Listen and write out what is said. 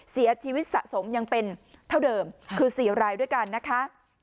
เสียชีวิตสะสมยังเป็นเท่าเดิมคือ๔รายด้วยกันนะคะ